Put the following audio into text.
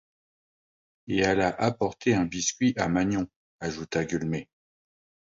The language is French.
Et elle a apporté un biscuit à Magnon, ajouta Gueulemer.